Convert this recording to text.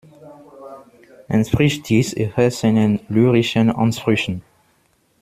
Entspricht dies eher seinen lyrischen Ansprüchen?